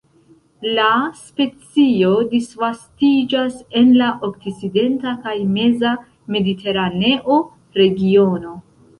La specio disvastiĝas en la okcidenta kaj meza mediteraneo regiono.